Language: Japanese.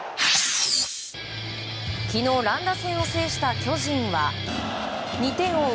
昨日、乱打戦を制した巨人は２点を追う